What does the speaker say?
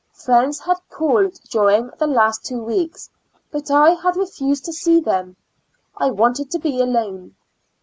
Friends had called during the last two weeks, but I had refused to see them ; I wanted to be alone.